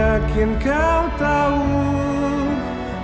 saya ke kamar dulu ya